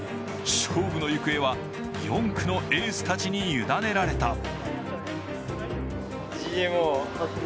勝負の行方は４区のエースたちに委ねられた。